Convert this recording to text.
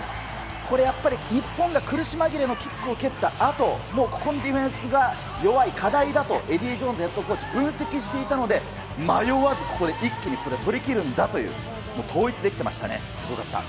これやっぱり、日本が苦し紛れのキックを蹴ったあと、もうここにディフェンスが、弱い課題だとエディー・ジョーンズヘッドコーチ、分析していたので、迷わずここで一気に取りきるんだという統一できてましたね。